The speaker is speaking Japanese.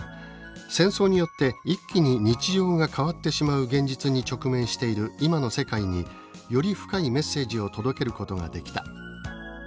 「戦争によって一気に日常が変わってしまう現実に直面している今の世界により深いメッセージを届けることができた」